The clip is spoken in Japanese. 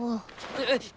えっ！